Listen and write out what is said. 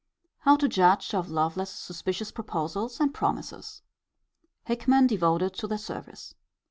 How to judge of Lovelace's suspicious proposals and promises. Hickman devoted to their service.